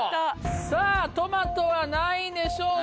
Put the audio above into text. さぁトマトは何位でしょうか？